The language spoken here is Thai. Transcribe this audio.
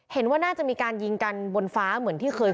เห็นว่าน่าจะมีการยิงกันบนฟ้าเหมือนที่เคย